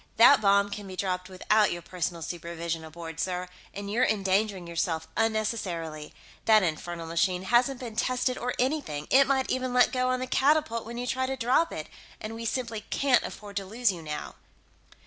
That bomb can be dropped without your personal supervision aboard, sir, and you're endangering yourself unnecessarily. That infernal machine hasn't been tested or anything; it might even let go on the catapult when you try to drop it. And we simply can't afford to lose you, now."